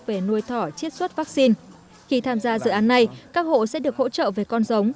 về nuôi thỏ chiết xuất vaccine khi tham gia dự án này các hộ sẽ được hỗ trợ về con giống